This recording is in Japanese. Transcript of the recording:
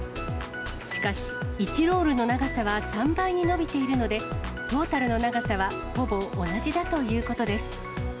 しかし、１ロールの長さは３倍に伸びているので、トータルの長さはほぼ同じだということです。